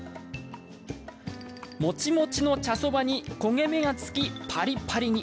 もちもちの茶そばに焦げ目がつきパリパリに。